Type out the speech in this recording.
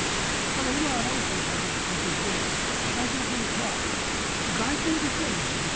ただ、今名越さんの解説を聞いて大事なポイントは外交できないんですよね